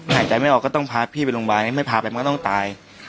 หายใจไม่ออกก็ต้องพาพี่ไปโรงพยาบาลไม่พาไปมันก็ต้องตาย